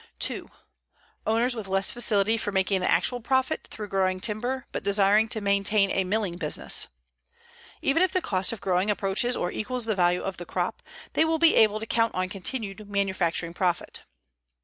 2. Owners with less facility for making an actual profit through growing timber, but desiring to maintain a milling business. Even if the cost of growing approaches or equals the value of the crop, they will be able to count on continued manufacturing profit.